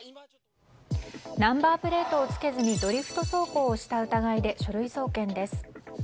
ナンバープレートをつけずにドリフト走行をした疑いで書類送検です。